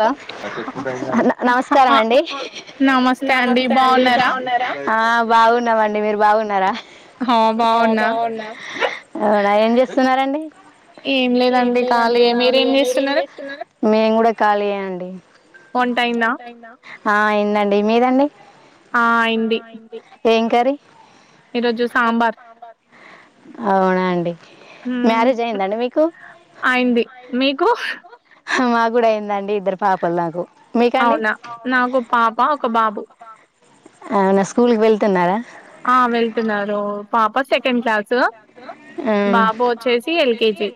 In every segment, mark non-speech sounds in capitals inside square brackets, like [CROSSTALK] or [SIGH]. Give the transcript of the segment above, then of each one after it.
Hello న నమస్కారం ఆ అండి నమస్తే అండి బాగున్నారా ఆ బాగున్నామండి మీరు బాగున్నారా? హా బాగున్నా అవునా ఏం చేస్తున్నరండి, ఏం లేదండి ఖాళీయే మీరేం చేస్తున్నారు నేను కూడా లే అండి. వంట ఆఇందా ఆ అయిందండి, మీదండి ఆ అయింది. ఏం కర్రీ? ఈరోజు సాంబార్ అవునా అండి ఉమ్ మ్యారేజ్ అయిందండి మీకు అయింది, మీకు? హ మాకు గుడ అయిందండి. ఇద్దరు పాపల్ నాకు మీకండి అవునా నాకో పాప, ఒక బాబు. అవునా స్కూల్కి వెళ్తున్నారా ఆ వెళ్తున్నారు పాప సెక్ ఉమ్ వచ్చేసి ఎల్కేజీ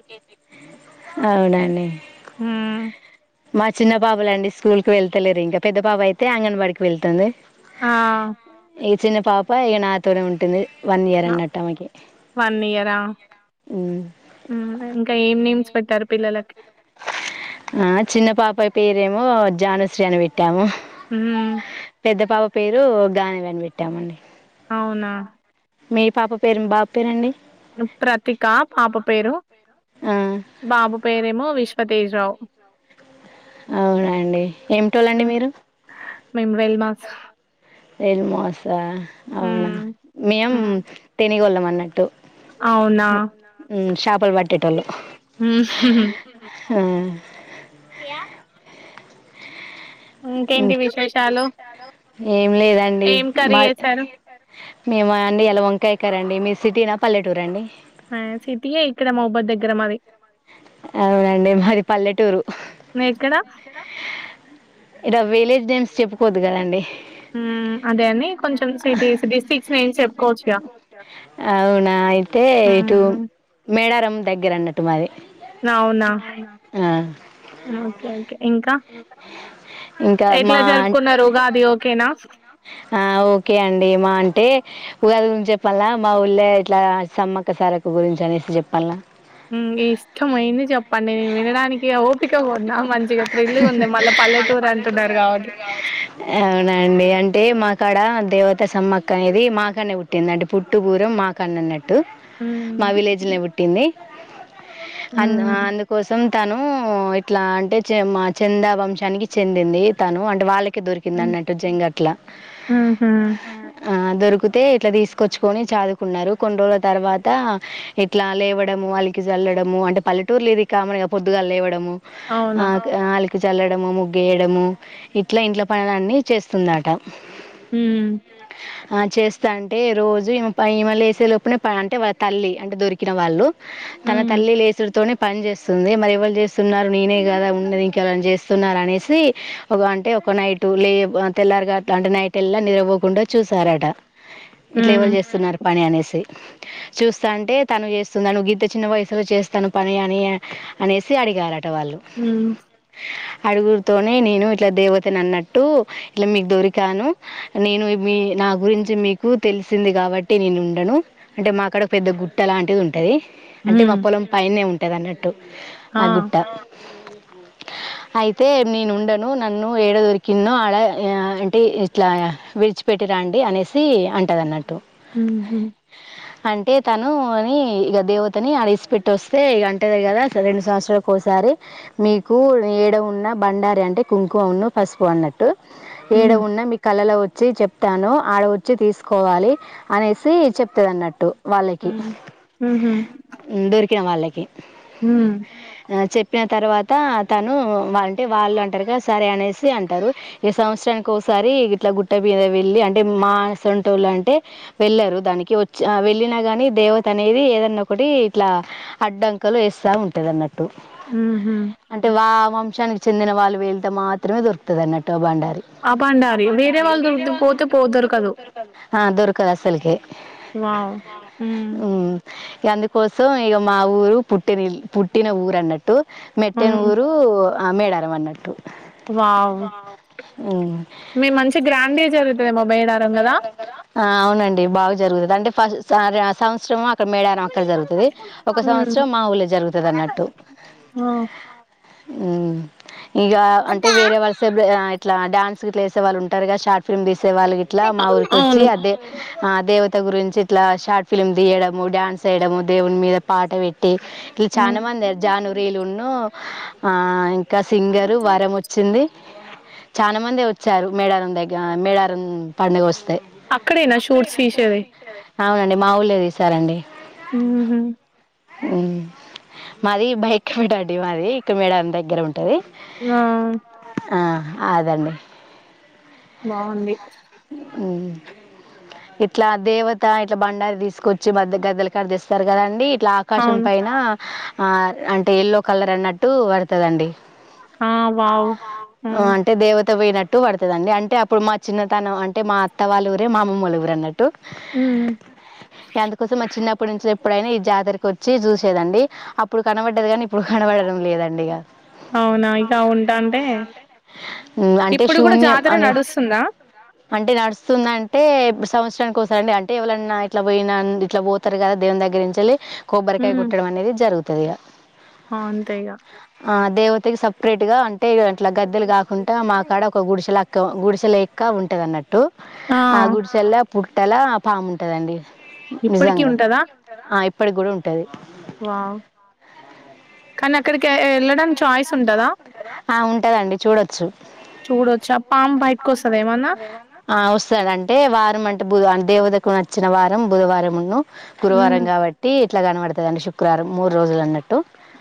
అవునండి మ్మ్ మా చిన్న పాపలండి స్కూల్ కి వెళ్తలేరు ఇంకా, పెద్ద పాపైతే అంగన్వాడికి వెళ్తుంది. ఆ ఈ చిన్న పాప ఇగ నా తోనే ఉంటుంది. వన్ ఇయర్ అన్నట్టు ఆమెకి. వన్ ఇయరా, మ్మ్. ఉమ్ ఇంకా ఏం నే ఆ చిన్న పాపాయ్ పేరేమో జానుశ్రీ అని వెట్టాము మ్ పెద్ద పాప పేరు గానవి అని బెట్టామండి అవునా మీ పాప పేరు బాబ్ పేరండి ప్రతిక పాప పేరు ఆ, బాబు పేరే మొ విశ్వతేజ్ నో అవునండి ఏమిటోలండి మీరు మేమ్ వెల్ మాస్ వెల్ మాసా అవునా మేం హ్మ్ తెనిగోల్లం నట్టు అవునా పట్టేటోళ్ళు మ్ హా మ్మ్. ఇంకేంటి విశేషాలు ఏం లేదండి ఏం కర్రి మా చేసారు మేమా అండి ఎల వంకాయ కరెండి మీర్ సిటీనా పల్లెటూరాండి ఆ సిటీయే ఇక్కడ మాహ్బద్ దగ్గర మాది అవునండి మది పల్లెటూరు ఎక్కడ ఇర విలేజ్ నేమ్స్ చెప్పుకోద్ద్ కదండి మ్ అదే అని కొంచెం సిటీస్ డిస్టిక్స్ నేమ్స్ చెప్పుకోవచ్చుగా అవునా దగ్గరన్నట్టు మాది అవునా ఆ, ఓకే ఒకే ఇంకా మా జరుపుకున్నారు ఉగాది ఓకేనా హా ఓకే అండీ మా అంటే ఉగాది నుంచె పల్ల మా ఊళ్ళే ఇట్లా సమ్మక్క సారక్క గురించి అనేసి చెప్పాలా మ్ ఇష్టమ్ అయింది చెప్పండి నేన్ వినడానికి ఓపికగ ఉన్నా మంచిగా త అవునండి అంటే మా కాడా దేవత సమ్మక్క అనేది మాకాన్నె పుట్టిందండి పుట్టుగూరం మా కాన్నె అన్నట్ట్ టు హ్మ్ విలేజ్ల్నే వుట్టింది అన్ హ్మ్ అందుకోసం తనూ ఇట్లా అంటే చెంమా చందా వంశానికి చెందింది తనూ అంటే వాళ్ళక్ హ్మ్ దొరికిందన్నట్టు జంగట్ల ఊహూ ఆ దొరికితే ఇట్లా తీసుకొచ్చుకొని చదుకున్నారు కొన్ని రోజుల తర్వాత ఇట్లా లేవడము అలికి చల్లడము అంటే పల్లెటూరు లే ఇది కామగా పొద్దుగా లేవడము అవునా ఆ అలికి చల్లడము ముగ్గేయడము ఇట్లా ఇంట్ల పనుల అన్నిీ చేస్తుందట హ ఆ చేస్తా అంటే రోజు ఈమల్ళ వేసే లోపునే ప అంటే వాళ్ళ తల్లి అంటే దొరికిన వాళ్ళు తన హ్మ్. తల్లి లేేసుడుతోనే పని చేస్తుంది మరిఎవళ్ చేస్ స్తున్నారు నేనే కదా ఉండది చేస్తున్నారు అనే సీ అంటే ఒక నైట్ లే తెల్లారు గట్లా అంటే నైట్ ఎల్ల నిద్రపోకు కుండా చూసారట ఇట్లా ఎవళ హ్మ్. చేస్తున్నారు పని అనే సి చూస్తా అంటే తను చేస్తుంది నువ్వు గిత చిన్న వయసులో చేస్తాను పని అని అనేసి అడిగారట ఆటవాళ్ళు హ్మ్. అడుగురితోనే నేను ఇట్లా దేవతని అన్నట్టు ఇట్లా మీకు దొరికాను నేను మీ నా గురించి మీకు తెలిసింది కాబట్టి నేను ఉండను అంటే మాక్కడ ఒక పెద్ద గుట్ట అలాంటిది ఉంటది అంటే హ్మ్. మా పొలం పైనే ఉంట్ ఎట్టే దాన్నట్టు ఆ గుట్ట అ అయితే నేనుండను నన్ను ఏడ దొరికినో అడ అంటే ఇట్లా విడిచిపెట్టి రండి అనేసి అంటది అన్నట్టు హ అంటే తను అని ఇక దేవతని అడసి పెట్టి వస్తే ఇక అంటది కదా రెండు సంవత్సరాలకు ఒకసారి మీ కు ఏడ ఉన్న బండారి అంటే కుంకుమన్న పసుపు అన్నట్టు ఏడ హ్మ్. ఉన్నా మీ కళలో వచ్ వచ్చి చెప్తాను ఆడ వచ్చి తీసుకోవాలి అనేసి చెప్తది అన్నట్టు వాళ్ళకి హ్మ్. దొరికిన వాళ్ళకి ఏ హ చెప్పిన తర్వాత టా అతను అంటే వాళ్ళు అంటారుగా సరే అనేసి అంటారు ఈ సంవత్సరానికి ఒకసారి ఇట్లా గుట్ట మీద వెళ్ళి అంటే మానసంటోళ్ళు అంటే వెళ్ళారు దానికి వచ్చే దానికి వెళ్ళిన గాని దేవత అనేది ఏదన్న ఒకటి ఇట్లా అడ్డంకలు వేస్తా ఉంట అన్నట్టు అంటే హ వా వంశానికి చెందిన వాళ్ళు వీళ్ ట మాత్రమే దోరగత అన్నట్టు బండారి ఆ భండారి. వేరే వాళ్ళు దొరుకుతే పోతే పో దొరకదు. దొరకదు అసల్ కే వావ్! హ్మ్. ఇ అందుకోసం ఇక మా ఊరు పుట్టిన పుట్టిన ఊరు అన్నట్టు మే టెన్ హ్మ్. ఊరు అ మేడారం మ అన్నట్టు వావ్ మీ మంచి గ్రాండ్‌గా జరుగుతదేమో మేడారం గదా? ఆ అవునండి బాగా జరుగుతుంది అంటే ఫస్ సంవశ్రమ అక్కడ మేడన అక్కడ జరుగుతుది ఒక హ్మ్. సంవత్సరం మా ఊలే జరుగుతుది అన్నట్టు ఆ! అ ఇక అంటే వేరే వాళ్ళసే ఇ డాన్స్ క లేసే వాళ్ళుంటారు కగా షార్ట్ ఫిమ్ తీ శేవాలు గట్లా మా ఊరికి వచ్చి అవును. అదే ఆ దేవ గురించి ఇట్లా షార్ట్ ఫిల్మ్ తీయడము డాన్స్ వయ్యడము దేవుని మీద పాట పెట్ ఇలు హ్మ్. చాలా మంది జానురిలు ఆ ఇంకా సింగరు వరం వచ్చింది చాలా మంది వచ్చారు మేడారం దగ్గ మేడారం పడుగ వస్త అక్కడేనా షూట్స్ తీసేది అవునండి మా ఊళ్ళే తీసారండి హుహు. మాది బయక్ పెడాడి మాది ఇక మేడ దగ్గర ఉంటది ఆ ఆ అదండి బాగుంది అవు ఇట్లా దేవత ఇట్లా బండారి తీసుకొచ్చి మద్ద గద్దెల కాడలు తెస్తారు కదండీ ఇట్లా ఆకాశం అవును. పైన ఆ అంటే ఎయల్లో కలర్ అన్నట్టు పడుతదండి ఆ వావ్! ఆ! అంటే దేవత తవెనట్టు పడుతుందండి అంటే అప్పుడు మా చిన్న తాను అంటే మా అత్త వాళ్ళు ఉ టె మా అమ్మమ్మ ఊరు అన్నట్లు హ్మ్. టు అందుకోసం చిన్న అప్పుడు నుంచి ఎప్పుడైనా ఈ జాతరకి వచ్చి చూసేదండి అప్పుడు కనవండి అవునా ఇంకా ఉంటా అంటే ఉమ్ ఇప్పుడు కూడా జాతర నడుస్తుందా అంటే నడుస్తుంద అంటే సంవత్సరానికి ఓసారి సండే అంటే ఎవరన్నా ఇట్లా పోయిన ఇట్లా పోతారు కదా దేవుని దగ్గర నుంచెల్లి కొబ్బరికాయ హ్మ్. కొట్టడం అనేది జరుగుతుంది ఈంగ ఆ అంతేగా ఆ దేవతకి సపరేట్ గా అ టే అట్లా గద్దెలు కాకుండా మా కాడ ఒక గుడిసెల కౌ గుడిసెలే ఇంకా ఉంటది అన్నట్టు టు ఆ గుడ్ సెల్లా పుట్ కట్టెలా పాము ఉంటదండి ఇప్పటికి నిజంగా ఉంటదా ఆ ఇప్పటికి కూడా ఉంటది వావ్ కానీ అక్కడికి ఎళ డానికి చాయిస్ ఉంటదా ఆ ఉంటదండి చూడొచ్చు చూడొచ్చా? పాము బయటకొస్తదా బయటకు ఏమన్నా? వస్తదా ఏవన్నా ఆ వస్తదంటే అంటే వారం అంటే బుధ అం దేవతకు నచ్చిన వారం బుధవారం ఉన్ను గురువారం హ్మ్. కాబట్టి అట్ల కనబడతదండి శుకవారం మూడు రోజులు అన్నట్ టు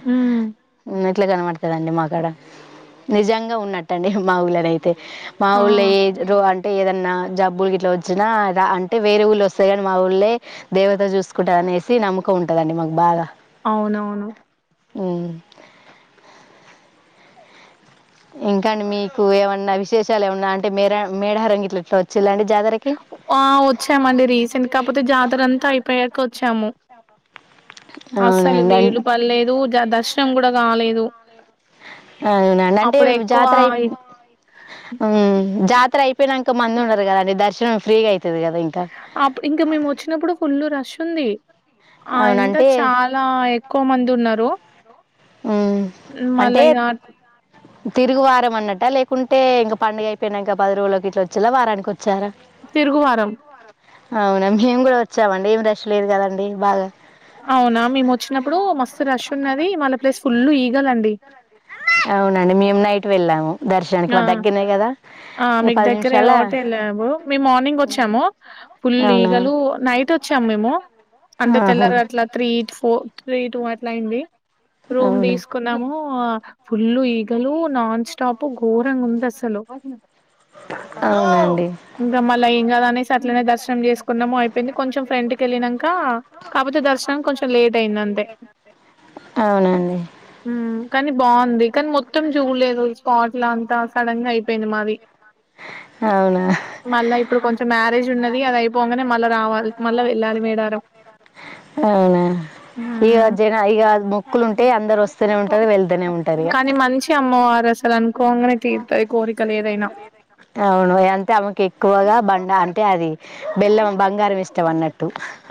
హ్మ్. హు ఇట్లా కనబడతదండి మాక్కడ నిజంగా ఉన్నాటండీ మా ఊల్ల నై తే మా ఆ! ఊళ్లే ఏ జీరో అంటే అంటే ఏదన్నా జబ్బులు గిట్లా వచ్చినా అంటే వేరే ఊళ్ళ వస్తే కానీ మా ఊళ్ళే దేవత చూసుకుంటాది అనేసి నమ్మకం ఉంటదండి మాకు బాగా అవునవును ఉ ఇంక అండి మీకు ఏమన్నా విశేషాలు ఏమన్నా అంటే మేర మేడరంగిట్ల తోచ్చి ఆ వచ్చామండి రీసెంట్ కాకపోతే జాతర అంతా అయిపోయాక వచ్చాము అసలు అవునండి అం వీలు పర్లేదు దర్శనం కూడా కాలేదు అ టేవ్ జాతర అయి హ్మ్ జా తరై పోయినంక మంది ఉనరు కదండి దర్శనం ఫ్రీగై అప్ ఇంకా మేము వచ్చినప్పుడు ఫుల్ రష్ ఉంది ఆ ఇంత అవునంటే చాలా ఎక్కువ మంది ఉన్నారు ఉ మళ్ళా అంటే ఇగ తిరుగు వారం అన్నట లేక కుంటే ఇంక పండుగ అయిపోయినంక బదిరోలకి ఇట్లా వచ్చిలా వారానికి వచ్చారా తిరుగువారం అవునా మేము కూడా వచ్చామండి ఏం రష్ లేదు కదండి బాగా అవునా మేము వచ్చినప్పుడు మస్తు రష్ ఉన్న ది మళ్ళ ప్లేస్ ఫుల్ ఈగలండి అవునండి మేము నైట్ వెళ్ళాము దర్శనానికి ఆ మా దగ్గరనే కదా ఆ ఇక మీకు పది దగ్గరే నిమిషాల కాబట్టి వెళ్ళము మేము మార్నింగ్ వచ్చాము ఫుల్ అవునా ఈగలు నైట్ వచ్చాము మేము అంటే ఆహా తెల్లర అట్లా three two four three two అట్లయింది రూమ్ అవును తీసుకున్నాము ఆ ఫుల్ ఈగలూ నాన్ స్టాప్ ప్పు ఘోరంగా ఉంది అసలు అవునండి ఇంకా మళ్ళా ఏం కాదనేసి అట్లనే దర్శనం చేసుకున్నము అయిపోయింది కొంచెం ఫ్రెంట్కి వెళ్ళినక కాకపోతే దర్శనం కొంచెం లేట్ అయింది అంతే అవునండి కానీ బాగుంది కానీ మొత్తం చూడలేదు అట్ల అంతా సడన్ గా అయిపోయింది మాది అవునా మళ్ళా ఇప్పుడు కొంచ మారేజ ఉన్నది అయిపోగానే మళ రావాలి మళ వెళ్ళాలి మేడారం అవునా ఇక జన ఇక మొక్కులు ఉంటే అందరు వస్తూనే ఉంటారు వెళ్తూనే ఉంటారు ఇక [INAUDIBLE] తీరుతది కోరికలేదైనా. అవును అంటే ఆమెకు ఎక్కువగా బండ అంటే అది బెల్లం బంగారం ఇష్టం అన్నట్టు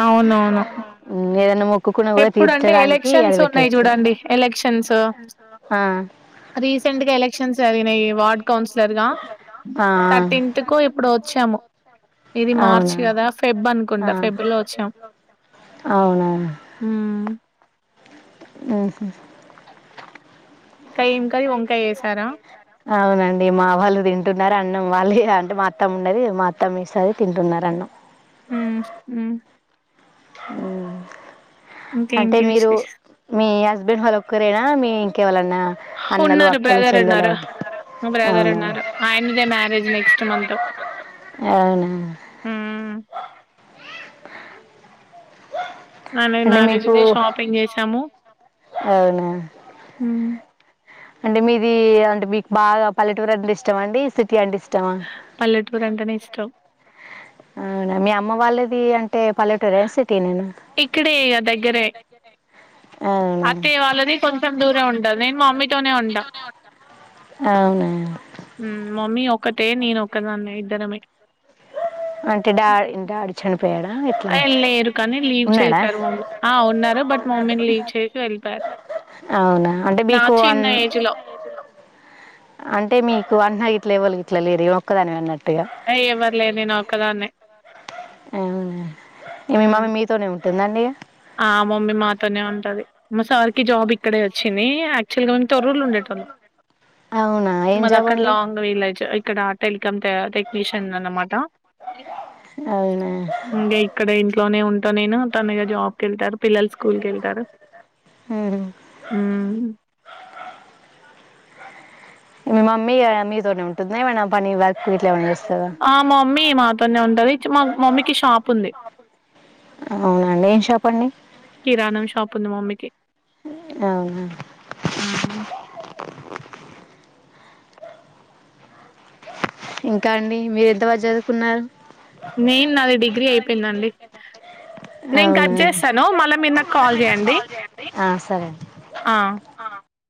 అవునవును. ఏదైనా మొక్కుకున్న కూడా ఎప్పుడంటే తీర్చడానికి అది ఎలక్షన్స్ ఉన్నాయి పెట్టచ్చు జూడండి ఎలక్షన్స్ రీసెంట్‌గా ఎలక్షన్స్ జరిగినాయి వార్డు కౌన్సిలర్గా ఆ థర్టీన్త్ కు ఇప్పుడు వచ్చాము ఇది మార్చ్ అవునా కదా ఫెబ్ అనుకుంటా ఆ ఫెబ్ లో వచ్చాము అవునా అహ ఇంకా ఏం కాయ వంకాయ చేసారా అవునండి మా వాళ్ళు తింటున్నరు అన్నం వాళ్ళు అంటే మా అత్తమ్మ ఉంటది మా అత్తమ్మ ఏస్తంది తింటున్నారు అన్నం హ హె హ అంటే ఇంకేంటి మీరు విశేషాలు? మీ హస్బ మీరు ఒక్కరేనా మీ ఇంకెవళ ఉన్నారు బ్రదర్ ఉన్నారు బ్రదర్ అవునా ఉన్నారు ఆయనదే మ్యారేజ్ నెక్స్ట్ మంత్ అవునా ఆయనది అంటే మ్యారేజ్ మీకు ది షాపింగ్ చేసాము అవునా అంటే మీది అంటే మీకు బాగా పల్లెటూరు అంటే ఇష్టమా అండి సి పల్లెటూరు అంటేనే ఇష్టం అవునా మీ అమ్మ వాళ్ళది అం టే పల్లెటూరా సిటీనేనా ఇక్కడే ఇగ దగ్గరే. అవునా అత్తయ్య వాళ్ళది కొంచెం దూరం ఉంటది. నేను మమ్మీతోనే ఉంటా. అవునా తే నేను ఒక్కదాన్నే ఇద్దరమే అంటే డా డాడీ చని ఆ లేరు కానీ లీవ్ ఉన్నాడా చేశారు మమ్మీ ఆ ఉన్నారు బట్ మమ్మీని లీవ్ చేసి వెళ్ళిపోయారు అవునా అంటే నా మీకు చిన్న అన్ ఏజ్ లో అంటే మీకు అన్నగిట్లే ఎవళగిట్లా లేరు ఇగ ఒక్కదానివే అన్నట్టు అ ఎవర్లేరు నేను ఒకదాన్నే అవునా ఇగ మీ హ్మ్. మమ్మీ మీతోనే ఉంటుందండి ఇగ ఆ మమ్మీ మాతోనే ఉంటది మా సారికి జాబ్ ఇక్కడే వచ్చింది అక్టువల్ గా మేం తొర్రూరు లో ఉండేటోల్లం అవునా ఏం మది జాబ్ అక్కడ అండి లాంగ్ విలేజ్ ఇక్కడా టె ఇంకా టెక్నీషిన్ ది అన్నమాట అవునా ఇంకా ఇక్కడ ఇంట్లోనే ఉంటా నేను తను ఇగ జాబ్ మరి పిల్లలు స్కూల్కెళ్తార ఉమ్. మీ మామ్మీ ఇగ మీతోనే ఉంటుందా ఎం అయినా పని పయ్ మా మమ్మీ మాతోనే ఉంటది మా మమ్మీకి షాప్ ఉంది అవునా అండి ఏం షాప్ అండి కిరాణం షాప్ ఉంది మమ్మీకి అవునా హ్మ్. ఇంకా అండి మీరు ఎంత వరకు చదువుకున్నారు నేను నాది డిగ్రీ అయిపోయిందండి నేను కట్ అవునా చేస్తాను మళ్ళా మీరు నాకు కాల్ చేయండి ఆ, సరే అండి